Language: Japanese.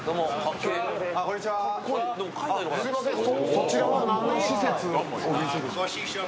そちらは何の施設？